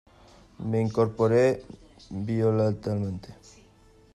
me incorporé violentamente: